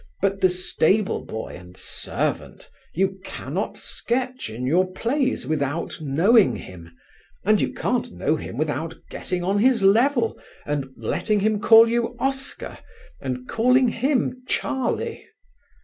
But the stable boy and servant you cannot sketch in your plays without knowing him, and you can't know him without getting on his level, and letting him call you 'Oscar' and calling him 'Charlie.'